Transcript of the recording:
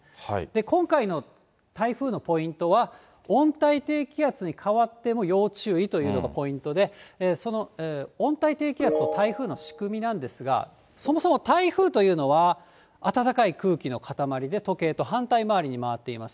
今回の台風のポイントは、温帯低気圧に変わっても要注意というのがポイントで、その温帯低気圧と台風の仕組みなんですが、そもそも台風というのは、暖かい空気の固まりで時計と反対周りに回っています。